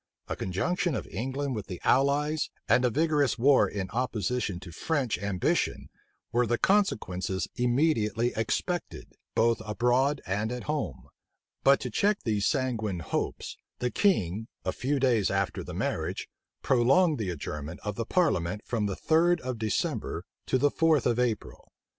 A conjunction of England with the allies, and a vigorous war in opposition to French ambition, were the consequences immediately expected, both abroad and at home: but to check these sanguine hopes, the king, a few days after the marriage, prolonged the adjournment of the parliament from the third of December to the fourth of April.